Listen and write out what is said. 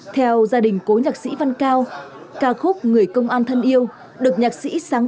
theo gia đình cố nhạc sĩ văn cao ca khúc người công an thân yêu được nhạc sĩ sáng